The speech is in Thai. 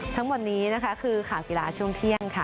ทั้งหมดนี้นะคะคือข่าวกีฬาช่วงเที่ยงค่ะ